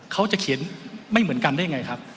เขาจะเขียนไม่เหมือนกันได้ยังไงครับ